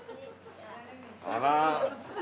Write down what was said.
あら。